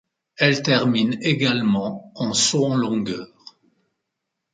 Elle termine également en saut en longueur.